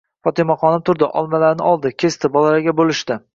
Fotimaxonim turdi, olmalarni oldi. Kesdi. Bolalarga bo'lishdi.